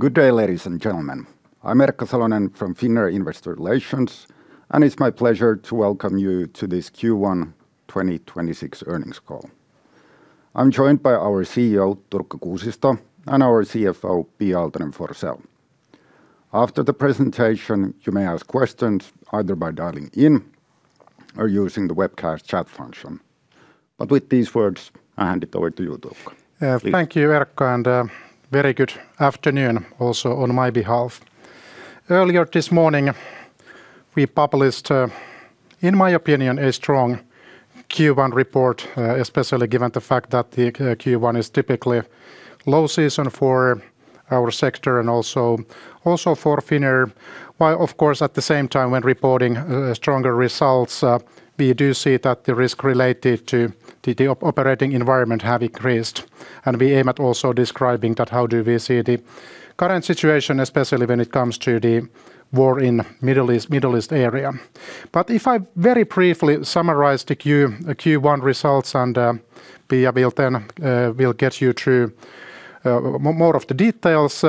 Good day, ladies and gentlemen. I'm Erkka Salonen from Finnair Investor Relations, and it's my pleasure to Welcome you to this Q1 2026 earnings call. I'm joined by our Chief Executive Officer, Turkka Kuusisto, and our Chief Financial Officer, Pia Aaltonen-Forsell. After the presentation, you may ask questions either by dialing in or using the webcast chat function. With these words, I hand it over to you, Turkka. Thank you, Erkka, and very good afternoon also on my behalf. Earlier this morning, we published, in my opinion, a strong Q1 report, especially given the fact that the Q1 is typically low season for our sector and also for Finnair. While of course, at the same time when reporting stronger results, we do see that the risk related to the operating environment have increased. We aim at also describing that how do we see the current situation, especially when it comes to the war in Middle East area. If I very briefly summarize the Q1 results, and Pia will then get you through more of the details.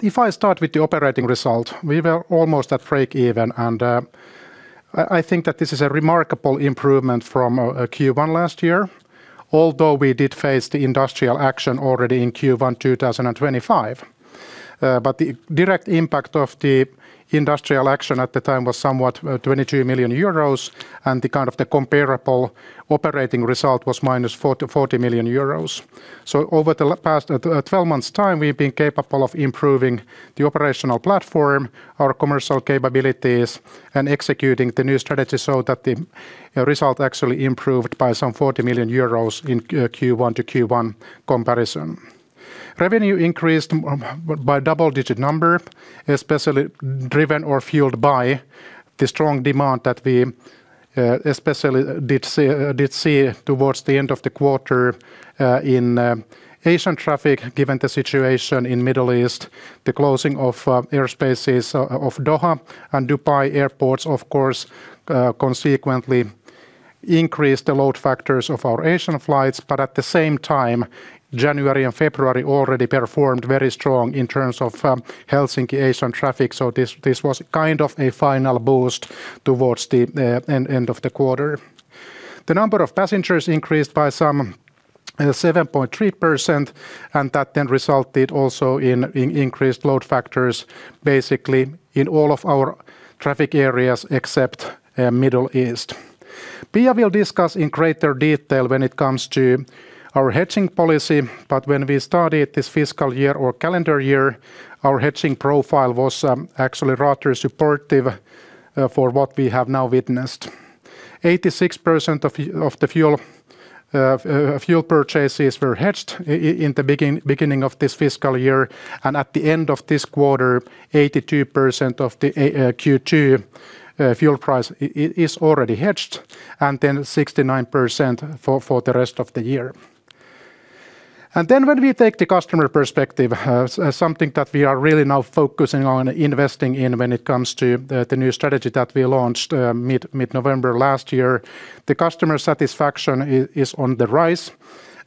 If I start with the operating result, we were almost at break even, and I think that this is a remarkable improvement from Q1 last year, although we did face the industrial action already in Q1 2025. The direct impact of the industrial action at the time was somewhat 22 million euros, and the comparable operating result was minus 40 million euros. Over the past 12 months time, we've been capable of improving the operational platform, our commercial capabilities, and executing the new strategy so that the result actually improved by some 40 million euros in Q1 to Q1 comparison. Revenue increased by double-digit number, especially driven or fueled by the strong demand that we especially did see towards the end of the quarter in Asian traffic, given the situation in Middle East. The closing of airspaces of Doha and Dubai airports, of course, consequently increased the load factors of our Asian flights. At the same time, January and February already performed very strong in terms of Helsinki Asian traffic. This was kind of a final boost towards the end of the quarter. The number of passengers increased by some 7.3%, and that then resulted also in increased load factors, basically in all of our traffic areas except Middle East. Pia will discuss in greater detail when it comes to our hedging policy. When we started this fiscal year or calendar year, our hedging profile was actually rather supportive for what we have now witnessed. 86% of the fuel purchases were hedged in the beginning of this fiscal year. At the end of this quarter, 82% of the Q2 fuel price is already hedged, and then 69% for the rest of the year. When we take the customer perspective, something that we are really now focusing on investing in when it comes to the new strategy that we launched mid-November last year. The customer satisfaction is on the rise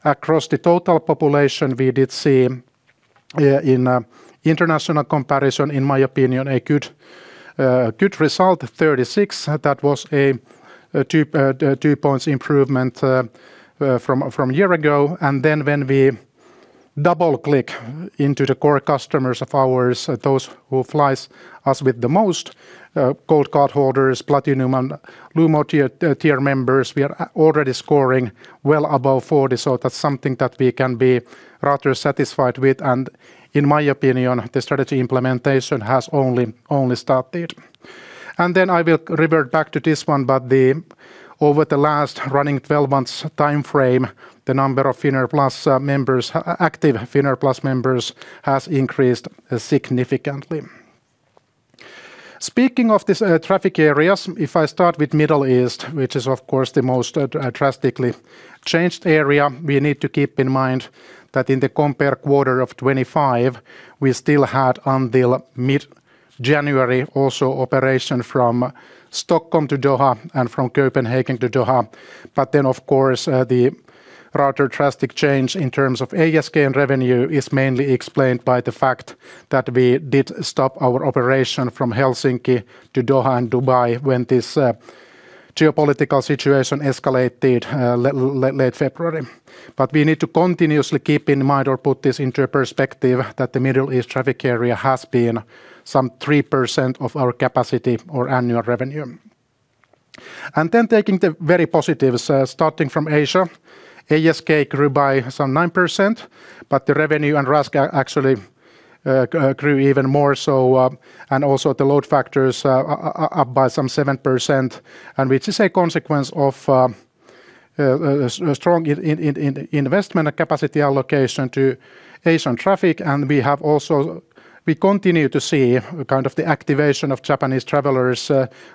across the total population. We did see in international comparison, in my opinion, a good result, 36. That was a 2 points improvement from year ago. When we double-click into the core customers of ours, those who flies us with the most, Gold cardholders, Platinum and Blue tier members, we are already scoring well above 40. That's something that we can be rather satisfied with. In my opinion, the strategy implementation has only started. I will revert back to this one. Over the last running 12 months timeframe, the number of active Finnair Plus members has increased significantly. Speaking of this traffic areas, if I start with Middle East, which is of course the most drastically changed area. We need to keep in mind that in the comparable quarter of 2025, we still had until mid-January also operations from Stockholm to Doha and from Copenhagen to Doha. Then of course, the rather drastic change in terms of ASK and revenue is mainly explained by the fact that we did stop our operations from Helsinki to Doha and Dubai when this geopolitical situation escalated late February. We need to continuously keep in mind or put this into perspective that the Middle East traffic area has been some 3% of our capacity or annual revenue. Taking the very positive starting from Asia. ASK grew by some 9%, but the revenue and RASK actually grew even more so. Also the load factors are up by some 7%. Which is a consequence of a strong investment capacity allocation to Asian traffic. We continue to see kind of the activation of Japanese travelers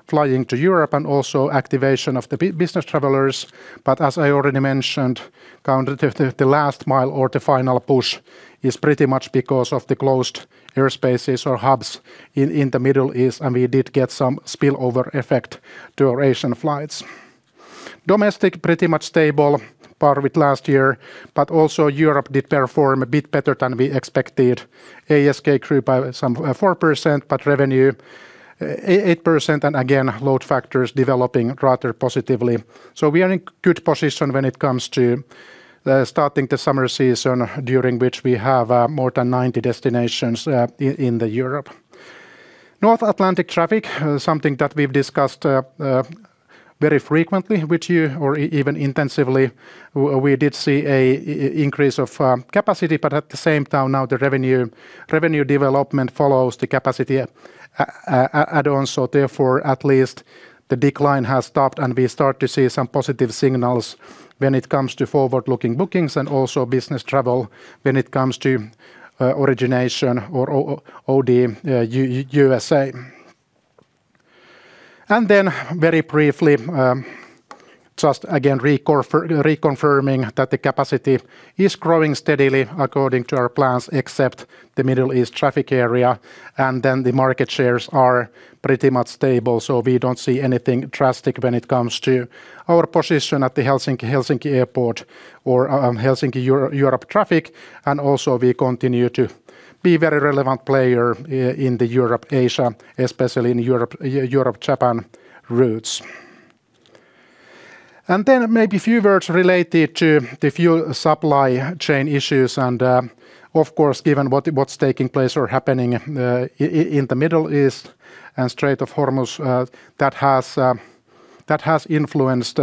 flying to Europe and also activation of the business travelers. As I already mentioned, the last mile or the final push is pretty much because of the closed airspaces or hubs in the Middle East, and we did get some spillover effect to our Asian flights. Domestic pretty much stable, on par with last year, but also Europe did perform a bit better than we expected. ASK grew by some 4%, but revenue 8%, and again, load factors developing rather positively. We are in a good position when it comes to starting the summer season, during which we have more than 90 destinations in Europe. North Atlantic traffic, something that we've discussed very frequently with you or even intensively. We did see an increase of capacity, but at the same time now the revenue development follows the capacity add-ons. At least the decline has stopped and we start to see some positive signals when it comes to forward-looking bookings and also business travel when it comes to origination or OD USA. Very briefly, just again, reconfirming that the capacity is growing steadily according to our plans except the Middle East traffic area. The market shares are pretty much stable, so we don't see anything drastic when it comes to our position at the Helsinki Airport or Helsinki Europe traffic. We continue to be a very relevant player in the Europe-Asia, especially in Europe-Japan routes. Maybe a few words related to the fuel supply chain issues. Of course, given what's taking place or happening in the Middle East and Strait of Hormuz, that has influenced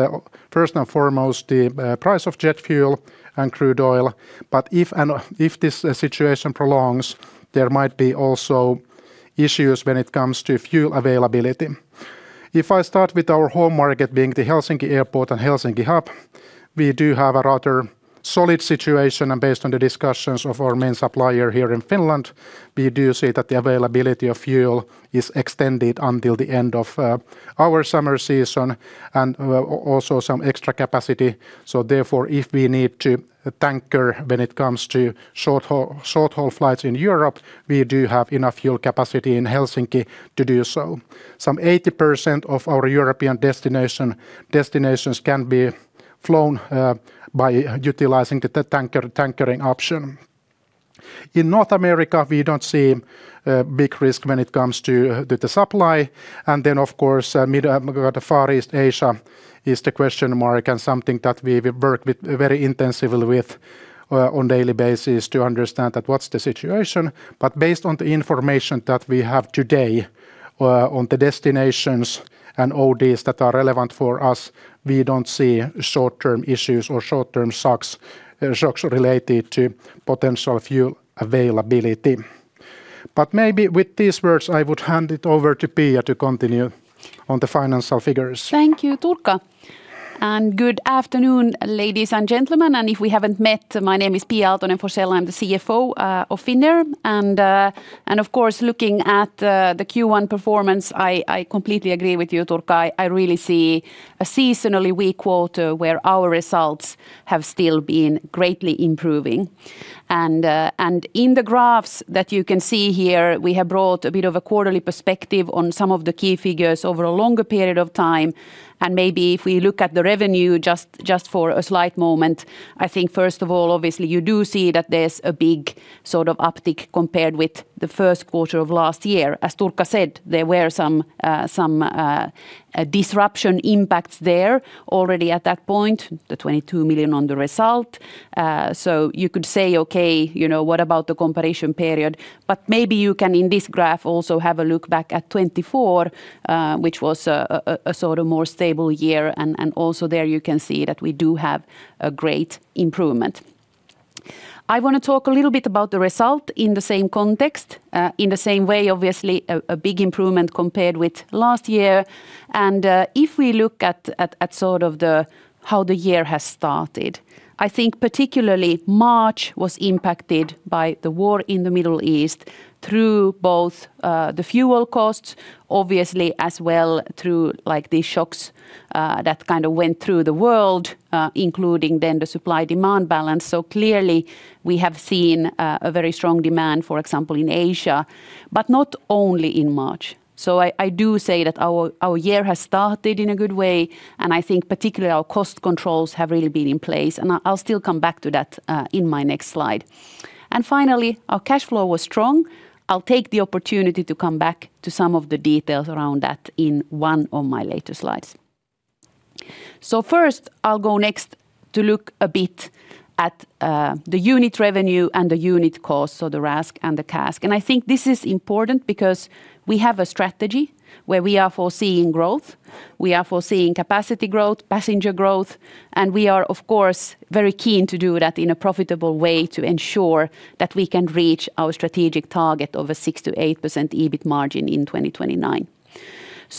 first and foremost the price of jet fuel and crude oil. If this situation prolongs, there might be also issues when it comes to fuel availability. If I start with our home market being the Helsinki Airport and Helsinki hub, we do have a rather solid situation, and based on the discussions of our main supplier here in Finland, we do see that the availability of fuel is extended until the end of our summer season and also some extra capacity. If we need to tanker when it comes to short-haul flights in Europe, we do have enough fuel capacity in Helsinki to do so. Some 80% of our European destinations can be flown by utilizing the tankering option. In North America, we don't see a big risk when it comes to the supply. Then, of course, the Far East Asia is the question mark and something that we work very intensively with on a daily basis to understand what's the situation. Based on the information that we have today on the destinations and ODs that are relevant for us, we don't see short-term issues or short-term shocks related to potential fuel availability. Maybe with these words, I would hand it over to Pia to continue on the financial figures. Thank you, Turkka. Good afternoon, ladies and gentlemen. If we haven't met, my name is Pia Aaltonen-Forsell. I'm the Chief Financial Officer of Finnair. Of course, looking at the Q1 performance, I completely agree with you, Turkka. I really see a seasonally weak quarter where our results have still been greatly improving. In the graphs that you can see here, we have brought a bit of a quarterly perspective on some of the key figures over a longer period of time. Maybe if we look at the revenue just for a slight moment, I think first of all, obviously you do see that there's a big uptick compared with the first quarter of last year. As Turkka said, there were some disruption impacts there already at that point, the 22 million on the result. You could say, okay, what about the comparison period? Maybe you can, in this graph, also have a look back at 2024, which was a more stable year, and also there you can see that we do have a great improvement. I want to talk a little bit about the result in the same context. In the same way, obviously, a big improvement compared with last year. If we look at how the year has started, I think particularly March was impacted by the war in the Middle East through both the fuel costs, obviously, as well as through the shocks that kind of went through the world, including then the supply-demand balance. Clearly we have seen a very strong demand, for example, in Asia, but not only in March. I do say that our year has started in a good way, and I think particularly our cost controls have really been in place, and I'll still come back to that in my next slide. Finally, our cash flow was strong. I'll take the opportunity to come back to some of the details around that in one of my later slides. First, I'll go next to look a bit at the unit revenue and the unit cost, so the RASK and the CASK. I think this is important because we have a strategy where we are foreseeing growth. We are foreseeing capacity growth, passenger growth, and we are of course very keen to do that in a profitable way to ensure that we can reach our strategic target of a 6%-8% EBIT margin in 2029.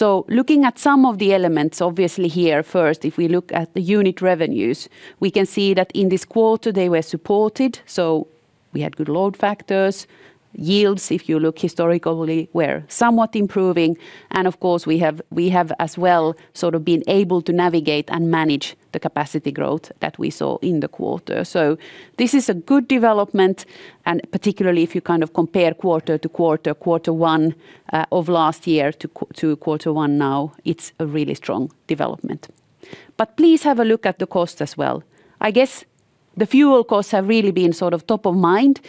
Looking at some of the elements, obviously here first, if we look at the unit revenues, we can see that in this quarter, they were supported. We had good load factors. Yields, if you look historically, were somewhat improving. Of course, we have as well sort of been able to navigate and manage the capacity growth that we saw in the quarter. This is a good development, and particularly if you kind of compare quarter to quarter one of last year to quarter one now, it is a really strong development. Please have a look at the cost as well. I guess the fuel costs have really been top of mind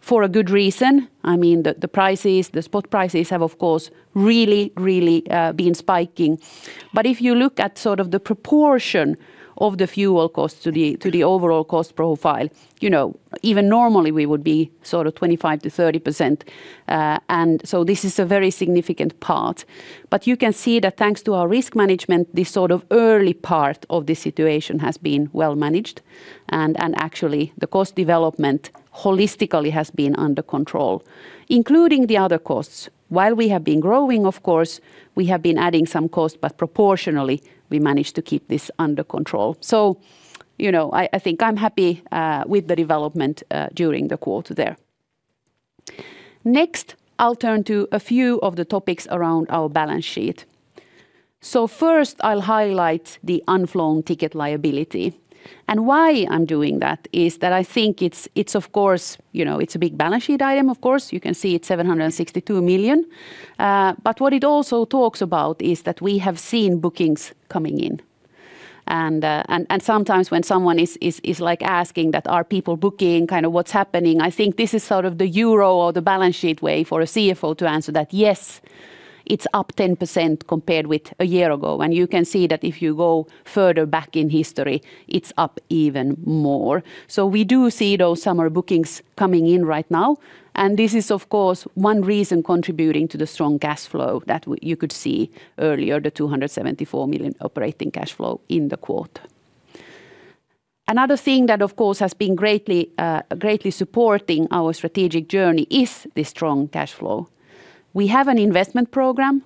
for a good reason. The spot prices have, of course, really been spiking. If you look at the proportion of the fuel costs to the overall cost profile, even normally we would be 25%-30%. This is a very significant part. You can see that thanks to our risk management, this early part of the situation has been well managed and actually the cost development holistically has been under control, including the other costs. While we have been growing, of course, we have been adding some cost, but proportionally, we managed to keep this under control. I think I'm happy with the development during the quarter there. Next, I'll turn to a few of the topics around our balance sheet. First I'll highlight the unflown ticket liability. Why I'm doing that is that I think it's a big balance sheet item, of course, you can see it's 762 million. What it also talks about is that we have seen bookings coming in and, sometimes when someone is asking that, "Are people booking?" Kind of, "What's happening?" I think this is the usual or the balance sheet way for a Chief Financial Officer to answer that, yes, it's up 10% compared with a year ago. You can see that if you go further back in history, it's up even more. We do see those summer bookings coming in right now, and this is of course one reason contributing to the strong cash flow that you could see earlier, the 274 million operating cash flow in the quarter. Another thing that of course has been greatly supporting our strategic journey is the strong cash flow. We have an investment program.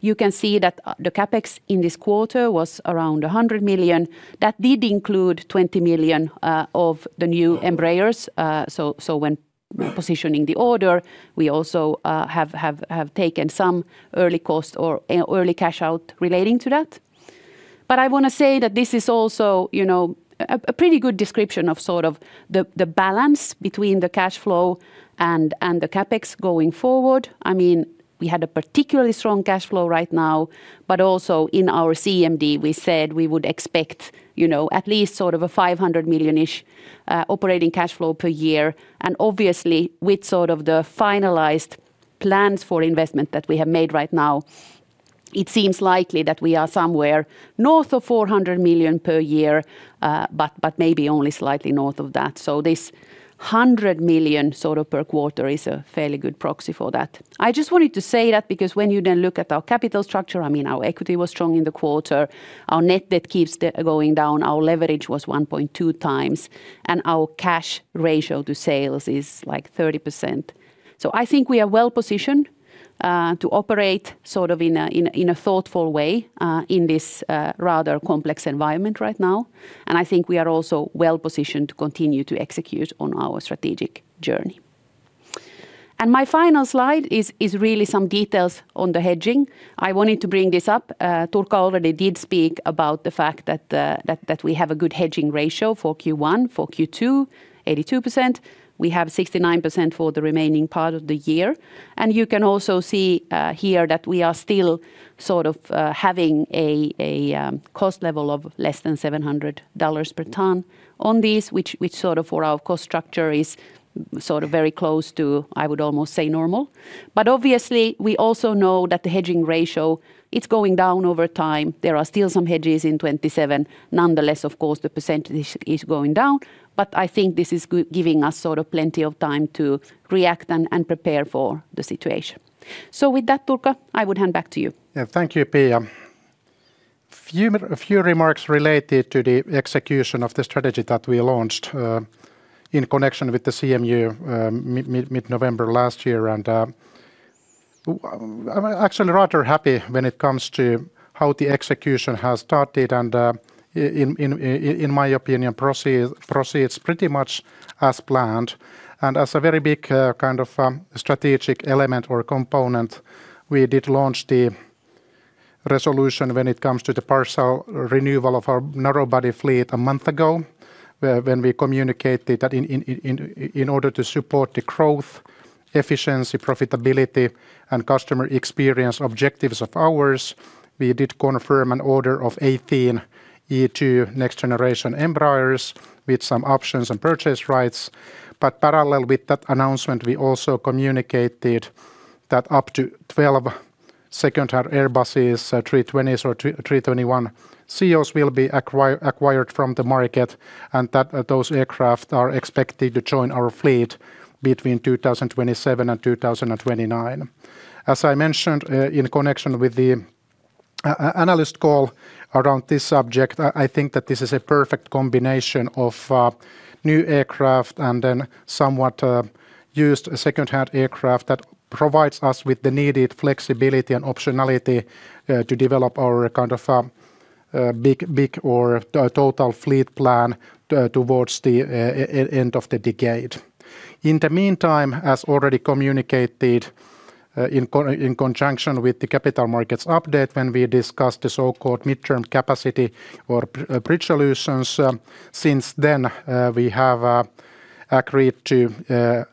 You can see that the CapEx in this quarter was around 100 million. That did include 20 million of the new Embraer. When positioning the order, we also have taken some early cost or early cash out relating to that. I want to say that this is also a pretty good description of the balance between the cash flow and the CapEx going forward. We had a particularly strong cash flow right now, but also in our CMD, we said we would expect at least a 500 million operating cash flow per year. Obviously with the finalized plans for investment that we have made right now, it seems likely that we are somewhere north of 400 million per year, but maybe only slightly north of that. This 100 million per quarter is a fairly good proxy for that. I just wanted to say that because when you then look at our capital structure, our equity was strong in the quarter. Our net debt keeps going down. Our leverage was 1.2x, and our cash ratio to sales is 30%. I think we are well-positioned to operate in a thoughtful way in this rather complex environment right now. I think we are also well-positioned to continue to execute on our strategic journey. My final slide is really some details on the hedging. I wanted to bring this up. Turkka already did speak about the fact that we have a good hedging ratio for Q1, for Q2, 82%. We have 69% for the remaining part of the year. You can also see here that we are still having a cost level of less than $700 per ton on these which for our cost structure is very close to, I would almost say normal. Obviously we also know that the hedging ratio, it's going down over time. There are still some hedges in 2027. Nonetheless, of course, the percentage is going down. I think this is giving us plenty of time to react and prepare for the situation. With that, Turkka, I would hand back to you. Yeah. Thank you, Pia. A few remarks related to the execution of the strategy that we launched, in connection with the CMU mid-November last year. I'm actually rather happy when it comes to how the execution has started and, in my opinion, proceeds pretty much as planned. As a very big kind of strategic element or component, we did launch the resolution when it comes to the partial renewal of our narrow-body fleet a month ago, when we communicated that in order to support the growth, efficiency, profitability, and customer experience objectives of ours, we did confirm an order of 18 E2 next generation Embraers with some options and purchase rights. Parallel with that announcement, we also communicated that up to 12 second-hand Airbuses, A320s or A321ceos will be acquired from the market, and that those aircraft are expected to join our fleet between 2027 and 2029. As I mentioned, in connection with the analyst call around this subject, I think that this is a perfect combination of new aircraft and then somewhat used secondhand aircraft that provides us with the needed flexibility and optionality to develop our kind of big or total fleet plan towards the end of the decade. In the meantime, as already communicated in conjunction with the Capital Markets Update when we discussed the so-called midterm capacity or bridge solutions. Since then, we have agreed to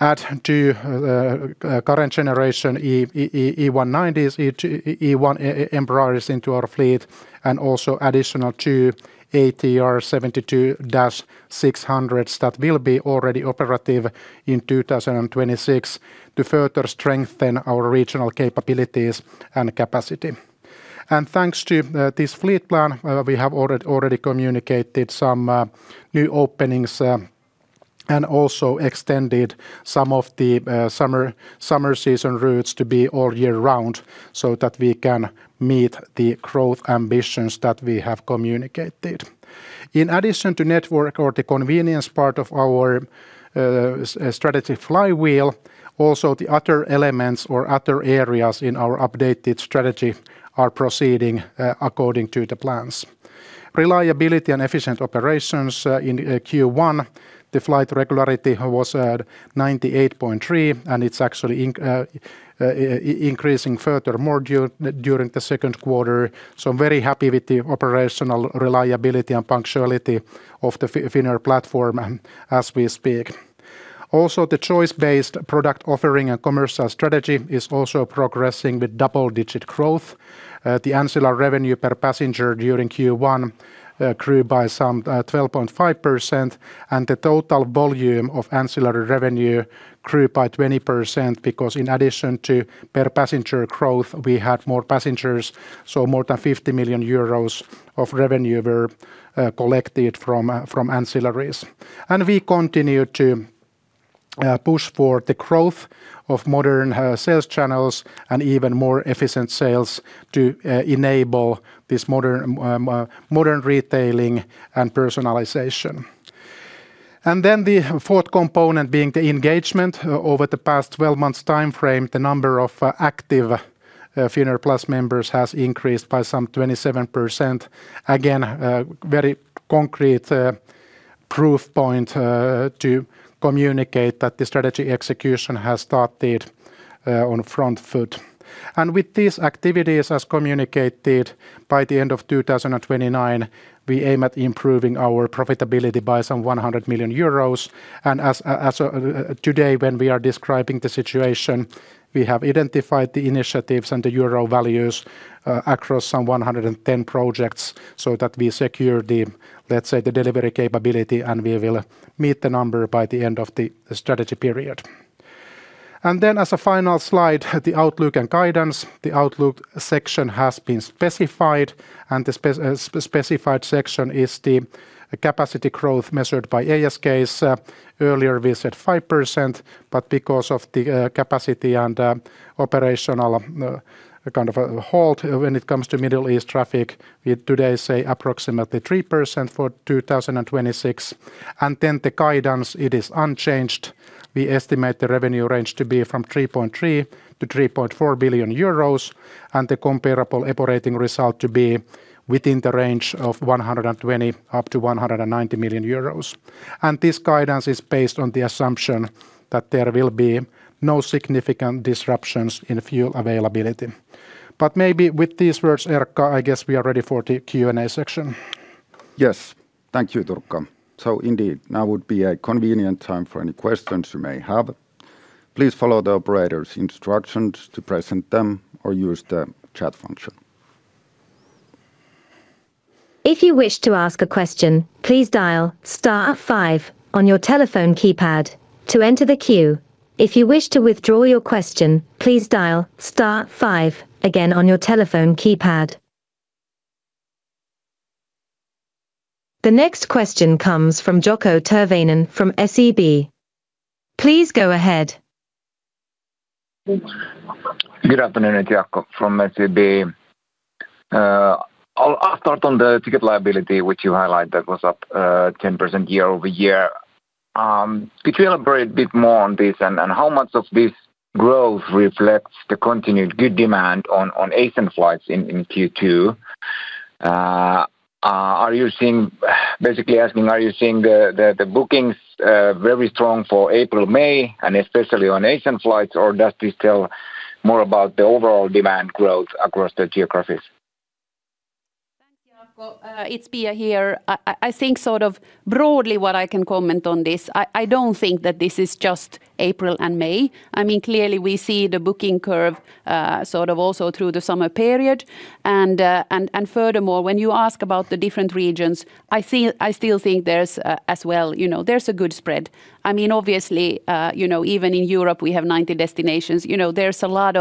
add to the current generation E190, E1 Embraer into our fleet, and also additional two ATR 72-600s that will be already operative in 2026 to further strengthen our regional capabilities and capacity. Thanks to this fleet plan, we have already communicated some new openings and also extended some of the summer season routes to be all year round so that we can meet the growth ambitions that we have communicated. In addition to network or the convenience part of our strategy flywheel, also the other elements or other areas in our updated strategy are proceeding according to the plans. Reliability and efficient operations in Q1, the flight regularity was at 98.3%, and it's actually increasing further more during the second quarter. I'm very happy with the operational reliability and punctuality of the Finnair platform as we speak. Also, the choice-based product offering and commercial strategy is also progressing with double-digit growth. The ancillary revenue per passenger during Q1 grew by some 12.5%, and the total volume of ancillary revenue grew by 20%, because in addition to per-passenger growth, we had more passengers, so more than 50 million euros of revenue were collected from ancillaries. We continue to push for the growth of modern sales channels and even more efficient sales to enable this modern retailing and personalization. Then the fourth component being the engagement. Over the past 12 months timeframe, the number of active Finnair Plus members has increased by some 27%. Again, very concrete proof point to communicate that the strategy execution has started on front foot. With these activities as communicated by the end of 2029, we aim at improving our profitability by some 100 million euros. As of today, when we are describing the situation, we have identified the initiatives and the euro values across some 110 projects so that we secure the, let's say, the delivery capability, and we will meet the number by the end of the strategy period. As a final slide, the outlook and guidance. The outlook section has been specified, and the specified section is the capacity growth measured by ASK. Earlier we said 5%, but because of the capacity and operational kind of a halt when it comes to Middle East traffic, we today say approximately 3% for 2026. The guidance, it is unchanged. We estimate the revenue range to be 3.3 billion-3.4 billion euros, and the comparable EBITA result to be within the range of 120 million-190 million euros. This guidance is based on the assumption that there will be no significant disruptions in fuel availability. Maybe with these words, Erkka, I guess we are ready for the Q&A section. Yes. Thank you, Turkka. Indeed, now would be a convenient time for any questions you may have. Please follow the operator's instructions to present them or use the chat function. If you wish to ask question please dial star five on your telephone keypad to enter the que, if you wish to withdraw your question dial star five again, from your telephone keypad. The next question comes from Jaakko Tyrväinen from SEB. Please go ahead. Good afternoon. It's Jaakko from SEB. I'll start on the ticket liability, which you highlight that was up 10% year-over-year. Could you elaborate a bit more on this and how much of this growth reflects the continued good demand on Asian flights in Q2? Basically asking, are you seeing the bookings very strong for April, May and especially on Asian flights or does this tell more about the overall demand growth across the geographies? Thanks, Jaakko. It's Pia here. I think sort of broadly what I can comment on this, I don't think that this is just April and May. Clearly we see the booking curve sort of also through the summer period. Furthermore, when you ask about the different regions, I still think there's, as well, there's a good spread. Obviously, even in Europe we have 90 destinations. There's a lot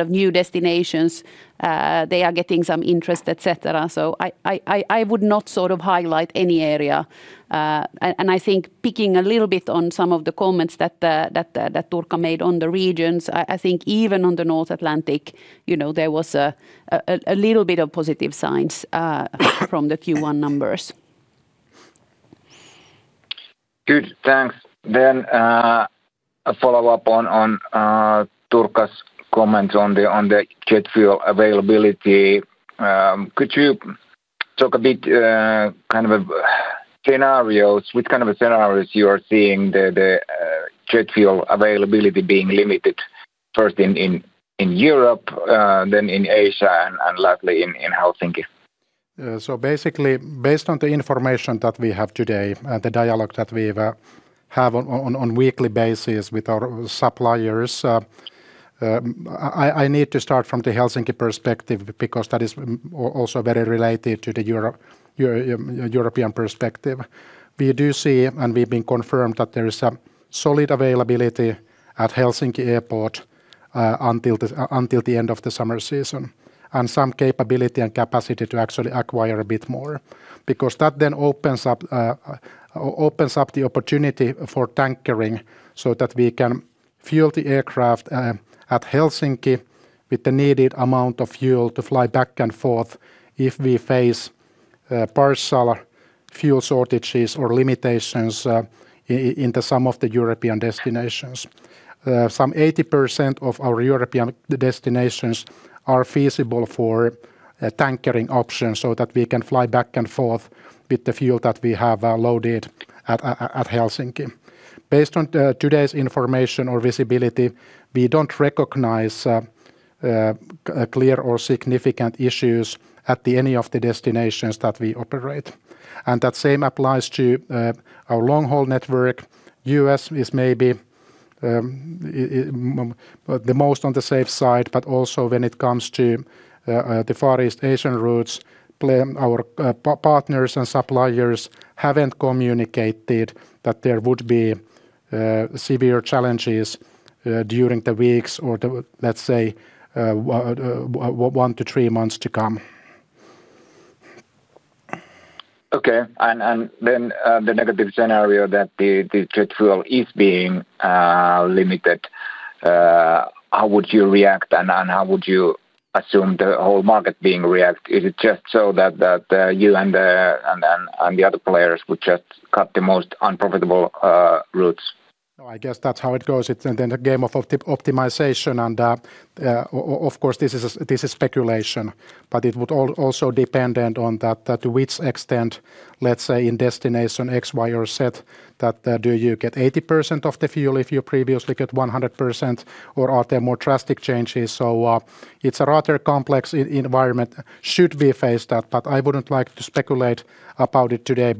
of new destinations. They are getting some interest, et cetera. I would not sort of highlight any area. I think picking a little bit on some of the comments that Turkka made on the regions, I think even on the North Atlantic, there was a little bit of positive signs from the Q1 numbers. Good, thanks. A follow-up on Turkka's comments on the jet fuel availability. Could you talk a bit kind of which kind of scenarios you are seeing the jet fuel availability being limited first in Europe, then in Asia, and lastly in Helsinki? Basically, based on the information that we have today, the dialogue that we have on weekly basis with our suppliers, I need to start from the Helsinki perspective because that is also very related to the European perspective. We do see, and it's been confirmed, that there is a solid availability at Helsinki Airport until the end of the summer season, and some capability and capacity to actually acquire a bit more. Because that then opens up the opportunity for tankering so that we can fuel the aircraft at Helsinki with the needed amount of fuel to fly back and forth if we face partial fuel shortages or limitations into some of the European destinations. Some 80% of our European destinations are feasible for a tankering option so that we can fly back and forth with the fuel that we have loaded at Helsinki. Based on today's information or visibility, we don't recognize clear or significant issues at any of the destinations that we operate. That same applies to our long-haul network. U.S. is maybe the most on the safe side, but also when it comes to the Far East Asian routes, our partners and suppliers haven't communicated that there would be severe challenges during the weeks or, let's say, one to three months to come. Okay. The negative scenario that the jet fuel is being limited, how would you react and how would you assume the whole market being reacted? Is it just so that you and the other players would just cut the most unprofitable routes? No, I guess that's how it goes. It's then a game of optimization and, of course, this is speculation, but it would also dependent on that to which extent, let's say, in destination X, Y, or Z, that do you get 80% of the fuel if you previously get 100%, or are there more drastic changes? It's a rather complex environment should we face that, but I wouldn't like to speculate about it today.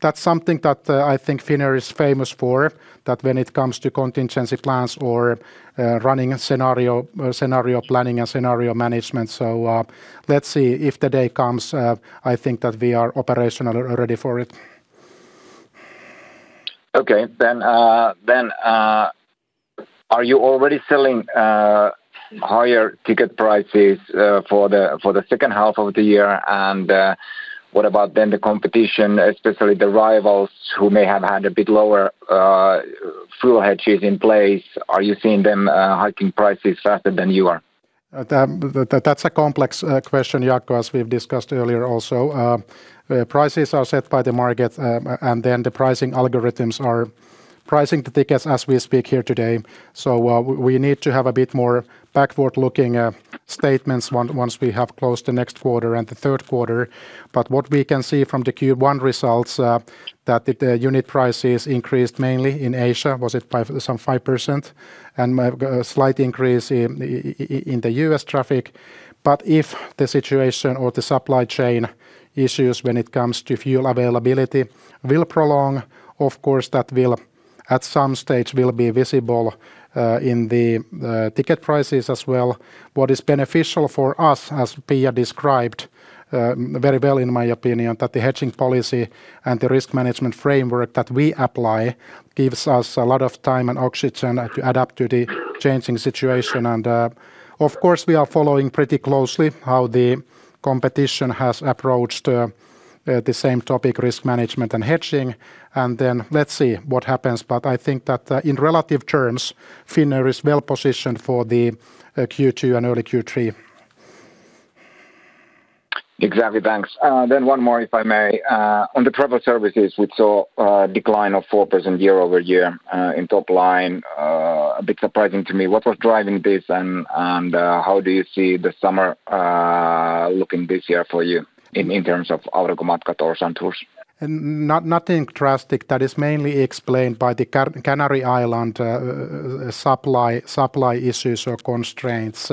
That's something that I think Finnair is famous for, that when it comes to contingency plans or running a scenario planning and scenario management. Let's see. If the day comes, I think that we are operational and ready for it. Okay. Are you already selling higher ticket prices for the second half of the year? What about then the competition, especially the rivals who may have had a bit lower fuel hedges in place? Are you seeing them hiking prices faster than you are? That's a complex question, Jaakko, as we've discussed earlier also. Prices are set by the market, and then the pricing algorithms are pricing the tickets as we speak here today. We need to have a bit more backward-looking statements once we have closed the next quarter and the third quarter. What we can see from the Q1 results, that the unit prices increased mainly in Asia by some 5%, and a slight increase in the U.S. traffic. If the situation or the supply chain issues when it comes to fuel availability will prolong, of course, that will, at some stage, be visible in the ticket prices as well. What is beneficial for us, as Pia described very well in my opinion, that the hedging policy and the risk management framework that we apply gives us a lot of time and oxygen to adapt to the changing situation. Of course, we are following pretty closely how the competition has approached the same topic, risk management and hedging. Then let's see what happens. I think that in relative terms, Finnair is well-positioned for the Q2 and early Q3. Exactly. Thanks. One more, if I may. On the travel services, we saw a decline of 4% year-over-year in top line. A bit surprising to me. What was driving this, and how do you see the summer looking this year for you in terms of Aurinkomatkat or Suntours? Nothing drastic. That is mainly explained by the Canary Islands supply issues or constraints.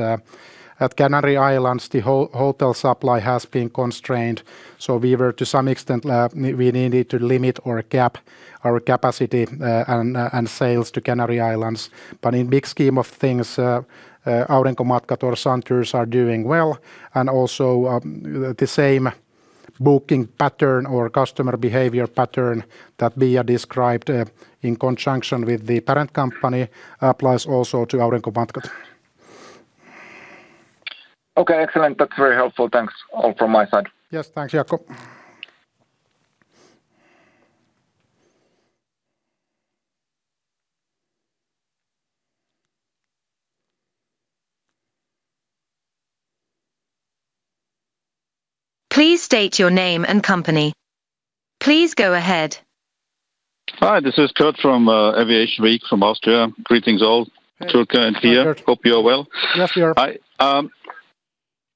At Canary Islands, the hotel supply has been constrained, so, to some extent, we needed to limit or cap our capacity and sales to Canary Islands. In big scheme of things, Aurinkomatkat or Suntours are doing well. Also, the same booking pattern or customer behavior pattern that Pia described in conjunction with the parent company applies also to Aurinkomatkat. Okay, excellent. That's very helpful. Thanks all from my side. Yes. Thanks, Jaakko. Please state your name and company. Please go ahead. Hi, this is Kurt from Aviation Week from Austria. Greetings all. Hey. Turkka and Pia. Hi, Kurt. Hope you're well. Yes, we are.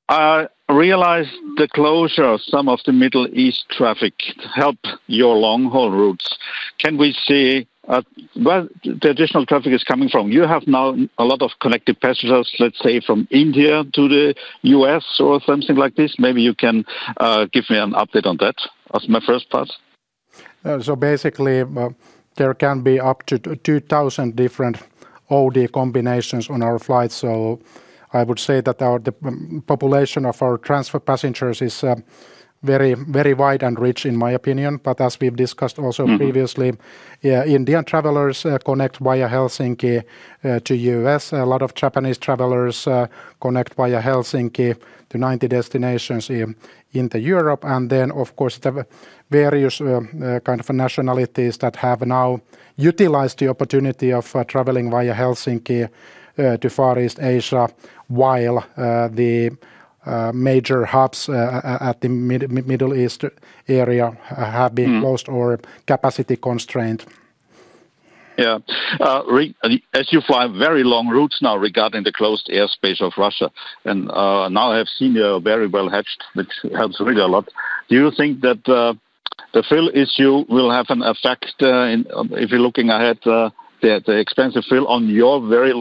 I realize the closure of some of the Middle East traffic help your long-haul routes. Can we see where the additional traffic is coming from? You have now a lot of connected passengers, let's say from India to the U.S. or something like this. Maybe you can give me an update on that as my first part. Basically, there can be up to 2,000 different OD combinations on our flight. I would say that the population of our transfer passengers is very wide and rich, in my opinion. As we've discussed also previously. Indian travelers connect via Helsinki to U.S. A lot of Japanese travelers connect via Helsinki to 90 destinations into Europe. Of course, the various kind of nationalities that have now utilized the opportunity of traveling via Helsinki to Far East Asia while the major hubs at the Middle East area have been closed or capacity constraint. Yeah. As you fly very long routes now regarding the closed airspace of Russia, and now I have seen you are very well hedged, which helps really a lot. Do you think that the fuel issue will have an effect if you're looking ahead, the expensive fuel on your very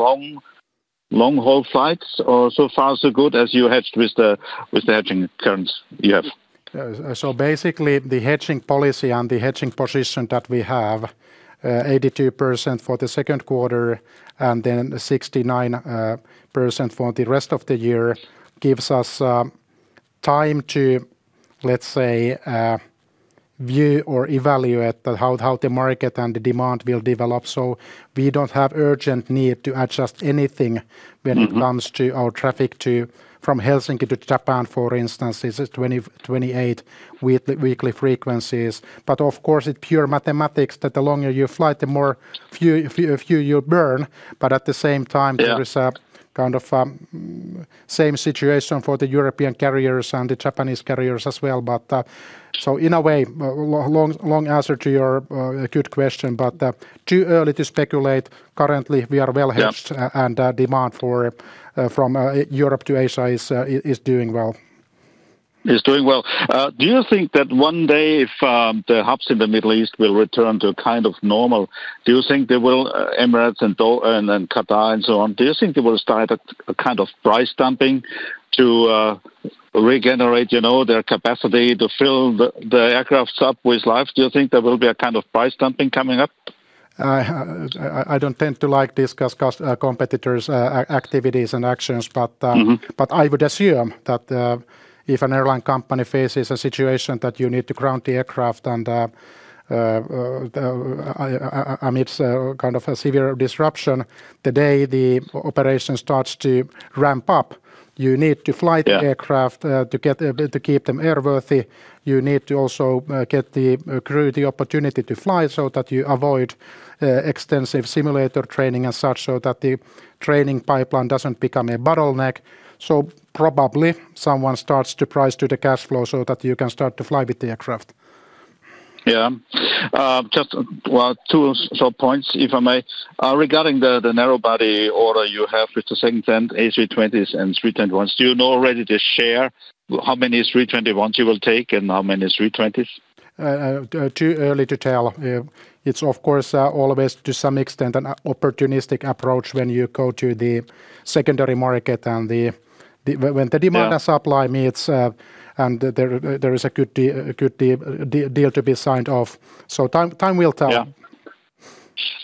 long haul flights? Or so far so good as you hedged with the hedging coverage you have? Basically, the hedging policy and the hedging position that we have, 82% for the second quarter, and then 69% for the rest of the year, gives us time to, let's say view or evaluate how the market and the demand will develop. We don't have urgent need to adjust anything when it comes to our traffic from Helsinki to Japan, for instance, it's at 28 weekly frequencies. Of course, it's pure mathematics that the longer you fly, the more fuel you burn. At the same time Yeah There is a kind of same situation for the European carriers and the Japanese carriers as well. In a way, long answer to your good question, but too early to speculate. Currently, we are well hedged. Yeah Demand from Europe to Asia is doing well. Is doing well. Do you think that one day if the hubs in the Middle East will return to kind of normal, do you think they will, Emirates and Qatar and so on, do you think they will start a kind of price dumping to regenerate their capacity to fill the aircraft up with life? Do you think there will be a kind of price dumping coming up? I don't tend to like, discuss competitors' activities and actions, but. I would assume that if an airline company faces a situation that you need to ground the aircraft and amidst kind of a severe disruption, the day the operation starts to ramp up, you need to fly the aircraft. Yeah To keep them airworthy. You need to also get the crew the opportunity to fly so that you avoid extensive simulator training and such so that the training pipeline doesn't become a bottleneck. Probably someone starts to price to the cash flow so that you can start to fly with the aircraft. Yeah. Just two short points if I may. Regarding the narrow-body order you have with the 7-10 A320 and A321s, do you know already the share, how many A321s you will take and how many A320s? Too early to tell. It's of course always to some extent an opportunistic approach when you go to the secondary market and when the demand. Yeah Supply meets, and there is a good deal to be signed off. Time will tell. Yeah.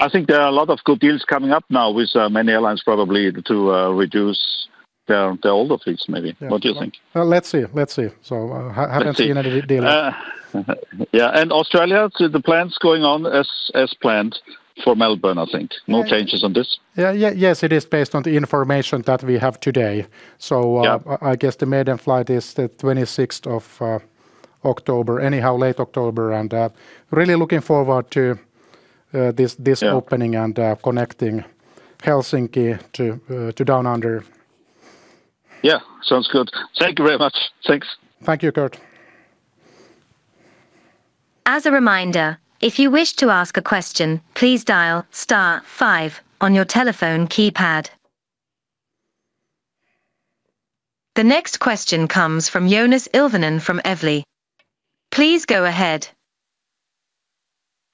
I think there are a lot of good deals coming up now with many airlines probably to reduce their older fleets, maybe. Yeah. What do you think? Let's see. I haven't seen any deal yet. Yeah. Australia, the plans going on as planned for Melbourne, I think. No changes on this? Yeah. Yes, it is based on the information that we have today. Yeah I guess the maiden flight is the 26th of October, anyhow, late October, and really looking forward to this. Yeah Opening and connecting Helsinki to down under. Yeah. Sounds good. Thank you very much. Thanks. Thank you, Kurt. As a reminder, if you wish to ask a question, please dial star five on your telephone keypad. The next question comes from Joonas Ilvonen from Evli. Please go ahead.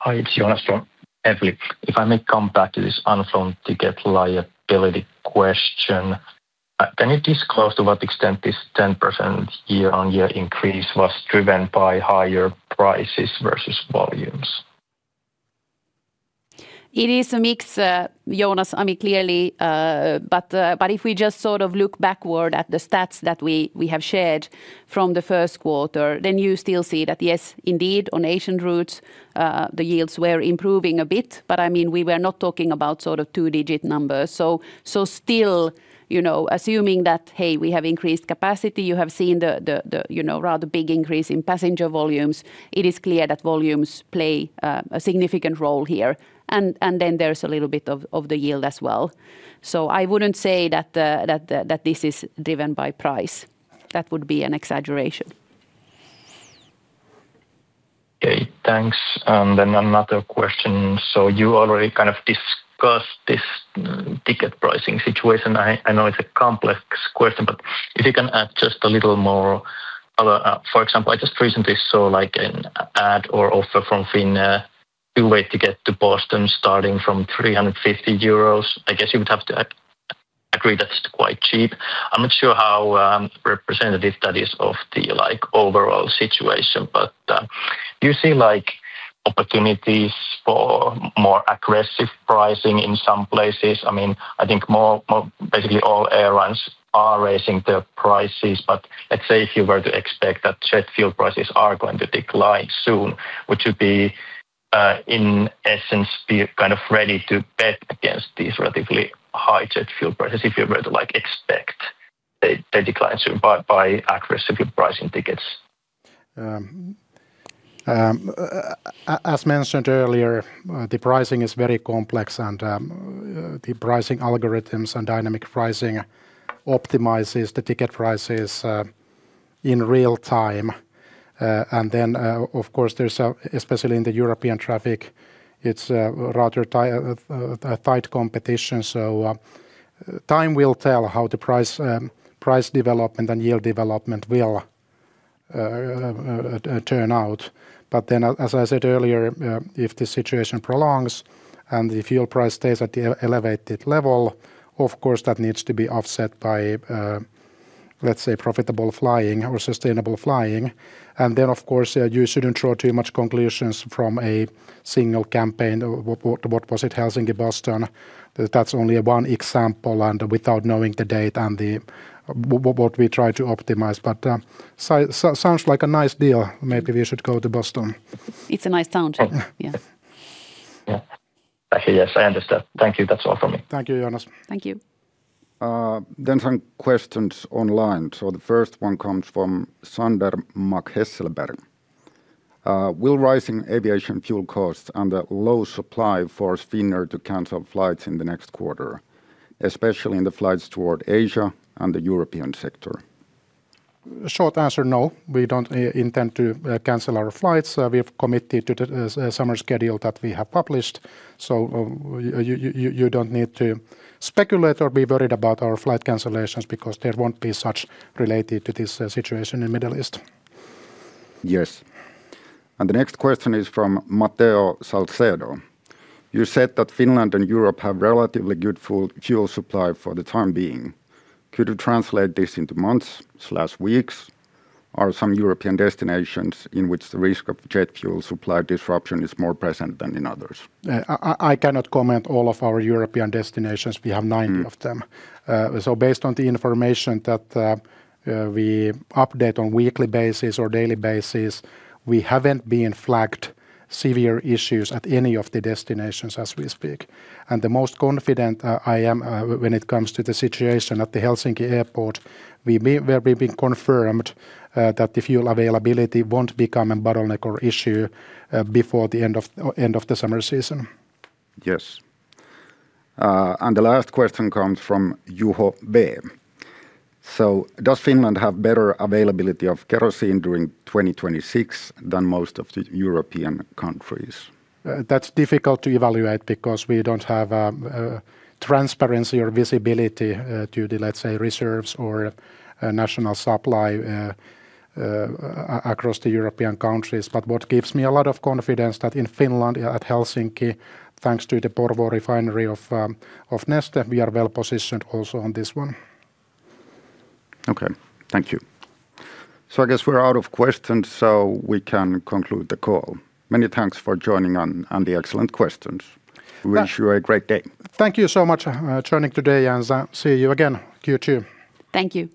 Hi, it's Joonas from Evli. If I may come back to this unflown ticket liability question, can you disclose to what extent this 10% year-on-year increase was driven by higher prices versus volumes? It is a mix, Joonas. I mean, clearly, but if we just sort of look backward at the stats that we have shared from the first quarter, then you still see that yes indeed, on Asian routes, the yields were improving a bit. I mean, we were not talking about sort of two-digit numbers. still assuming that hey, we have increased capacity, you have seen the rather big increase in passenger volumes, it is clear that volumes play a significant role here. then there's a little bit of the yield as well. I wouldn't say that this is driven by price. That would be an exaggeration. Okay, thanks. Then another question. You already kind of discussed this ticket pricing situation. I know it's a complex question, but if you can add just a little more. For example, I just recently saw an ad or offer from Finnair, two-way to get to Boston starting from 350 euros. I guess you would have to agree that's quite cheap. I'm not sure how representative that is of the overall situation. Do you see opportunities for more aggressive pricing in some places? I think basically all airlines are raising their prices, but let's say if you were to expect that jet fuel prices are going to decline soon, would you be, in essence, be ready to bet against these relatively high jet fuel prices if you were to expect a decline soon by aggressively pricing tickets? As mentioned earlier, the pricing is very complex, and the pricing algorithms and dynamic pricing optimizes the ticket prices in real time. Of course, especially in the European traffic, it's a rather tight competition. Time will tell how the price development and yield development will turn out. As I said earlier, if the situation prolongs and the fuel price stays at the elevated level, of course, that needs to be offset by, let's say, profitable flying or sustainable flying. Of course, you shouldn't draw too much conclusions from a single campaign. What was it? Helsinki-Boston. That's only one example, and without knowing the date and what we try to optimize. Sounds like a nice deal. Maybe we should go to Boston. It's a nice town too. Yeah. Yeah. Okay. Yes, I understand. Thank you. That's all from me. Thank you, Joonas. Thank you. Some questions online. The first one comes from Sander Mackheselberg. Will rising aviation fuel costs and the low supply force Finnair to cancel flights in the next quarter, especially in the flights toward Asia and the European sector? Short answer, no. We don't intend to cancel our flights. We have committed to the summer schedule that we have published. You don't need to speculate or be worried about our flight cancellations because there won't be such related to this situation in Middle East. Yes. The next question is from Mateo Salcedo. You said that Finland and Europe have relatively good fuel supply for the time being. Could you translate this into months/weeks? Are some European destinations in which the risk of jet fuel supply disruption is more present than in others? I cannot comment on all of our European destinations. We have 90 of them. Based on the information that we update on a weekly basis or daily basis, we haven't flagged severe issues at any of the destinations as we speak. I am most confident when it comes to the situation at the Helsinki Airport. It's been confirmed that the fuel availability won't become a bottleneck or issue before the end of the summer season. Yes. The last question comes from Juho Buchert. Does Finland have better availability of kerosene during 2026 than most of the European countries? That's difficult to evaluate because we don't have transparency or visibility to the, let's say, reserves or national supply across the European countries. What gives me a lot of confidence that in Finland, at Helsinki, thanks to the Porvoo Refinery of Neste, we are well-positioned also on this one. Okay. Thank you. I guess we're out of questions, so we can conclude the call. Many thanks for joining and the excellent questions. Wish you a great day. Thank you so much for joining today, See you again Q2. Thank you.